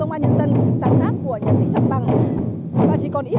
trên kênh sóng của vtv một đài truyền hình ba và trên kênh hai ntv